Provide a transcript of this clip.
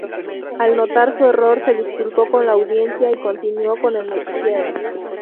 Al notar su error se disculpó con la audiencia y continuó con el noticiero.